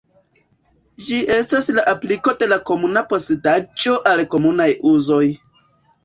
Ĝi estas la apliko de la komuna posedaĵo al komunaj uzoj.